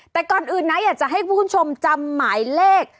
แต่ก่อนอื่นนะอยากจะให้คุณผู้ชมจำหมายเลข